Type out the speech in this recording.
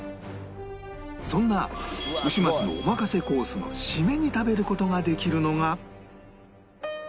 そんなうし松のおまかせコースのシメに食べる事ができるのが